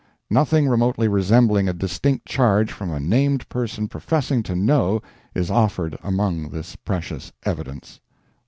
Nothing remotely resembling a distinct charge from a named person professing to know is offered among this precious "evidence."